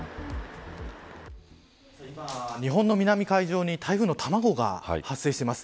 今、日本の南海上に台風の卵が発生しています。